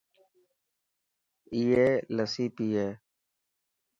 ائي لسي پئي هي.